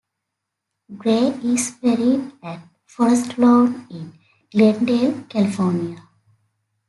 Grey is buried at Forest Lawn in Glendale, California.